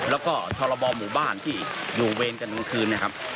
แล้วก็ชรบหมู่บ้านที่อยู่เวรกันกลางคืนนะครับ